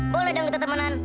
boleh dong kita temenan